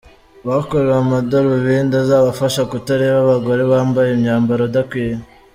Bakorewe amadarubindi azabafasha kutareba abagore bambaye imyambaro idakwiye